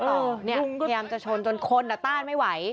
พยายามจะชนจนคนต้านไม่ไหว